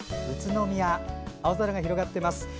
宇都宮、青空が広がっています。